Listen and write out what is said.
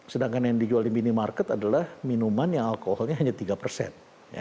sedangkan yang dijual di minimarket adalah minuman yang alkoholnya hanya tiga persen